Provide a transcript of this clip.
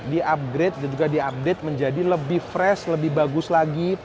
di upgrade dan juga diupdate menjadi lebih fresh lebih bagus lagi